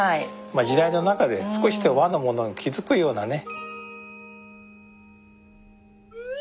時代の中で少しでも和のものに気付くようなね。